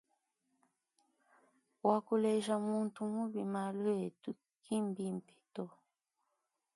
Wakuleja muntu mubi malu etu ki mbimpe to.